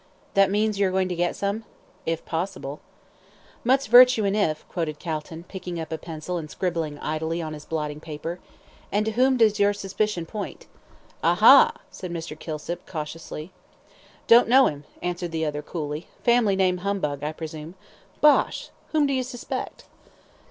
"That means you are going to get some?" "If possible." "Much virtue in 'if,'" quoted Calton, picking up a pencil, and scribbling idly on his blotting paper. "And to whom does your suspicion point?" "Aha!" said Mr. Kilsip, cautiously. "Don't know him," answered the other, coolly; "family name Humbug, I presume. Bosh! Whom do you suspect?"